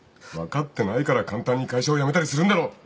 分かってないから簡単に会社を辞めたりするんだろ。